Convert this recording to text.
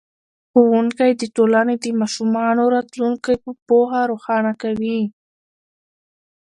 ښوونکی د ټولنې د ماشومانو راتلونکی په پوهه روښانه کوي.